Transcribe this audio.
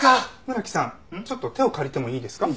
村木さんちょっと手を借りてもいいですか？